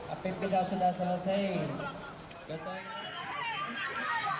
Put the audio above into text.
apik tidak sudah selesai